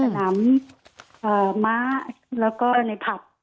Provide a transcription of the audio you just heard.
สนามมะแล้วก็ในผัด